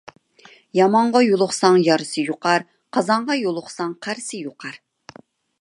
يامانغا يۇلۇقساڭ يارىسى يۇقار، قازانغا يۇلۇقساڭ قارىسى يۇقار.